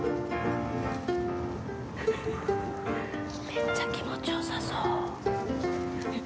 めっちゃ気持ち良さそう。